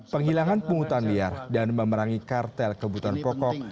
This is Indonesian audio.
penghilangan pungutan liar dan memerangi kartel kebutuhan pokok